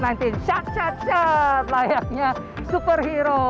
shut shut shut layaknya superhero